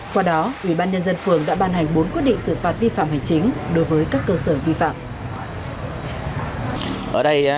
qua đó ủy ban nhân dân phường đã ban hành bốn quyết định xử phạt vi phạm hành chính đối với các cơ sở vi phạm